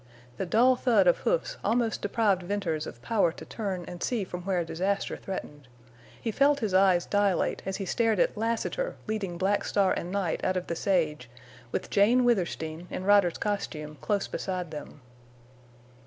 The dull thud of hoofs almost deprived Venters of power to turn and see from where disaster threatened. He felt his eyes dilate as he stared at Lassiter leading Black Star and Night out of the sage, with Jane Withersteen, in rider's costume, close beside them.